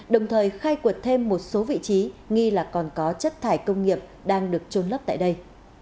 đồng thời khai quật thêm một số vị trí nghi là còn có chất thải công nghiệp đang được trôn lấp tại đây